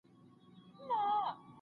بې پیسو نه دچا خپل نه د چا سیال یې